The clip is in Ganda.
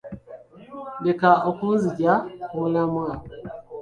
Leka kunzigya ku mulamwa.